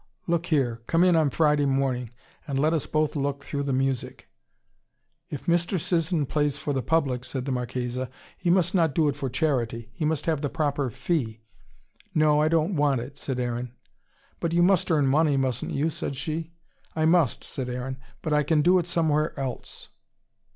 Look here, come in on Friday morning and let us both look through the music." "If Mr. Sisson plays for the public," said the Marchesa, "he must not do it for charity. He must have the proper fee." "No, I don't want it," said Aaron. "But you must earn money, mustn't you?" said she. "I must," said Aaron. "But I can do it somewhere else."